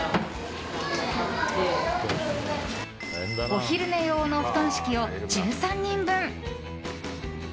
お昼寝用の布団敷きを１３人分。